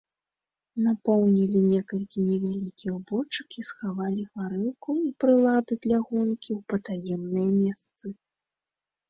Напоўнілі некалькі невялікіх бочак і схавалі гарэлку і прылады для гонкі ў патаемныя месцы.